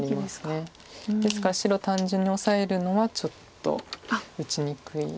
ですから白単純にオサえるのはちょっと打ちにくいような。